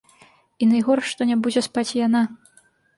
І найгорш, што не будзе спаць і яна.